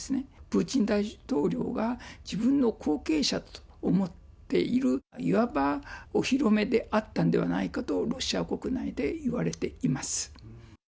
プーチン大統領が自分の後継者と思っている、いわばお披露目であったんではないかと、ロシア国内で言われています。